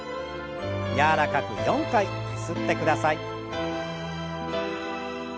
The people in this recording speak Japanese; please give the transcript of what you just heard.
柔らかく４回ゆすってください。